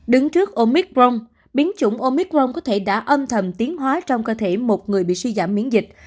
đứng trước omic prong biến chủng omicron có thể đã âm thầm tiến hóa trong cơ thể một người bị suy giảm miễn dịch